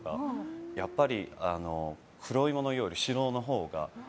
やっぱり、黒色より白のほうが。